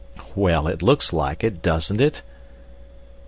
"Well, it looks like it. Doesn't it?"